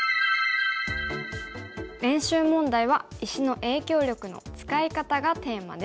練習問題は石の影響力の使い方がテーマです。